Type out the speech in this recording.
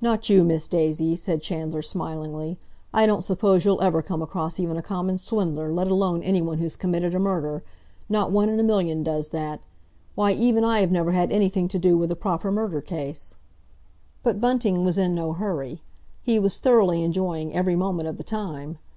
"Not you, Miss Daisy," said Chandler smilingly. "I don't suppose you'll ever come across even a common swindler, let alone anyone who's committed a murder—not one in a million does that. Why, even I have never had anything to do with a proper murder case!" But Bunting was in no hurry. He was thoroughly enjoying every moment of the time.